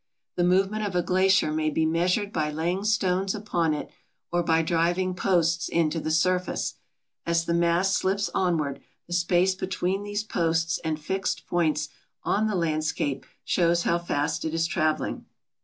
The movement of a glacier may be measured by laying stones upon it or by driving posts into the surface. As the mass slips onward the space between these posts and fixed points on the landscape shows how fast it is travelling.